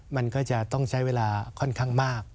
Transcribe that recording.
มันก็จะต้องใช้เวลาค่อนข้างมาก